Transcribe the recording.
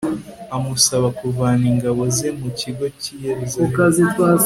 amusaba kuvana ingabo ze mu kigo cy'i yeruzalemu